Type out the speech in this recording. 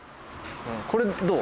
これどう？